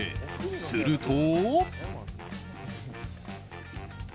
すると。